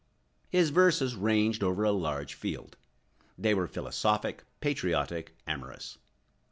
His verses ranged over a large field. They were philosophic, patriotic, amorous.